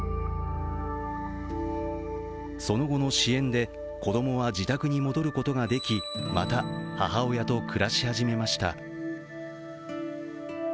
その後の支援で子供は自宅に戻ることができまた母親と暮らし始めました。